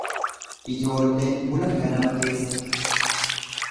Ijoolleen bula ganama keessa.